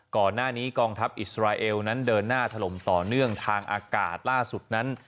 ก่อนหน้านี้กองทัพอิสราเอลนั้นเดินหน้าถล่มต่อเนื่องทางอากาศล่าสุดนั้น